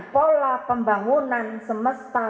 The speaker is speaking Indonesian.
pola pembangunan semesta